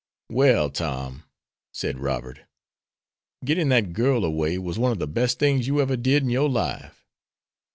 "Well, Tom," said Robert, "getting that girl away was one of the best things you ever did in your life."